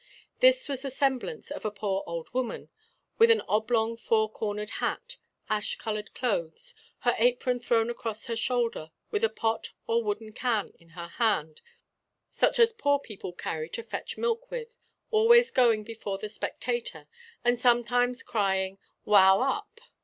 This was the semblance of a poor old woman, with an oblong four cornered hat, ash coloured clothes, her apron thrown across her shoulder, with a pot or wooden can in her hand, such as poor people carry to fetch milk with, always going before the spectator, and sometimes crying 'Wow up!'